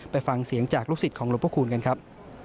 ไปฟังเสียงจากลูกศิษย์ของหลวงพระคูณกันครับ